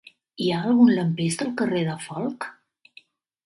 Hi ha algun lampista al carrer de Folc?